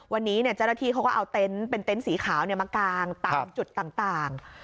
วันนี้เจ้าหน้าที่เขาก็เอาเต็นต์เป็นเต็นต์สีขาวมากางตามจุดต่าง